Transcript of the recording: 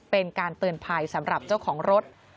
เป็นการเตือนภัยสำหรับเจ้าของรถ